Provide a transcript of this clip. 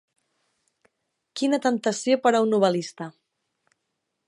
Quina temptació per a un novel·lista.